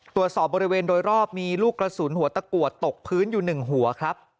ตรวจสอบบริเวณโดยรอบมีลูกกระสุนหัวตะกรวดตกพื้นอยู่๑หัวครับ